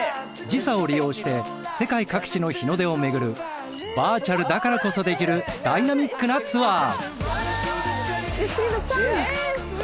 時差を利用して世界各地の日の出を巡るバーチャルだからこそできるダイナミックなツアー！